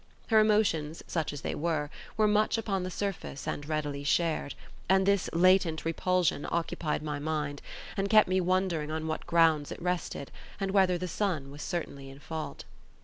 Her emotions, such as they were, were much upon the surface and readily shared; and this latent repulsion occupied my mind, and kept me wondering on what grounds it rested, and whether the son was certainly in fault.